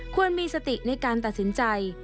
ควรมีสติในการตัดสินใจ